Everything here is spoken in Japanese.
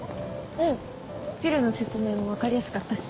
ピルの説明も分かりやすかったし。